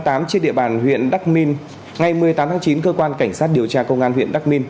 trên địa bàn huyện đắc minh ngày một mươi tám tháng chín cơ quan cảnh sát điều tra công an huyện đắc minh